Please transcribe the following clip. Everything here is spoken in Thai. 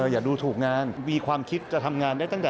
อย่าดูถูกงานมีความคิดจะทำงานได้